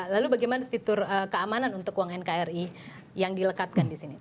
lalu bagaimana fitur keamanan untuk uang nkri yang dilekatkan di sini